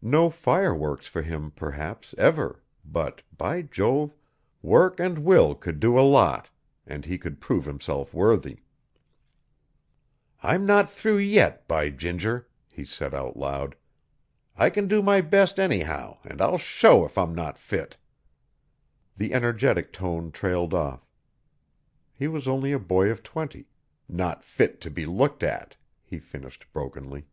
No fireworks for him, perhaps, ever, but, by Jove, work and will could do a lot, and he could prove himself worthy. "I'm not through yet, but ginger," he said out loud. "I can do my best anyhow and I'll show if I'm not fit" the energetic tone trailed off he was only a boy of twenty "not fit to be looked at," he finished brokenly.